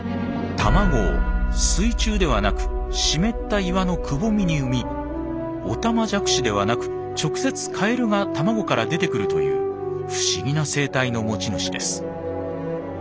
卵を水中ではなく湿った岩のくぼみに産みオタマジャクシではなく直接カエルが卵から出てくるという不思議な生態の持ち主です。